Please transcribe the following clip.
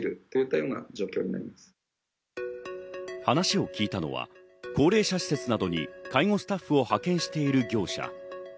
話を聞いたのは高齢者施設などに介護スタッフを派遣している業者。